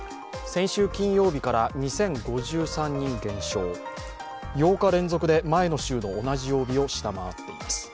先週金曜日から２０５３人減少、８日連続で前の週の同じ曜日を下回っています。